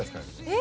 え